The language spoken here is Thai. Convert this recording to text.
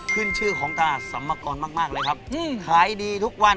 ขึ้นชื่อของท่าซมมะกร